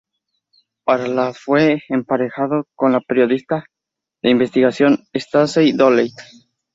Para la fue emparejado con la periodista de investigación Stacey Dooley.